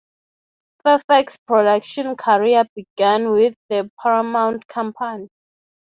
Fairfax's production career began with the Paramount Company.